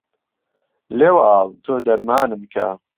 لێو ئاڵ تۆ دەرمانم کە